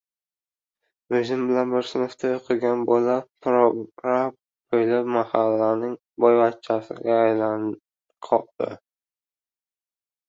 O‘zim bilan bir sinfda o‘qigan bola prorab bo‘lib mahallaning boyvachchasiga aylandiqoldi.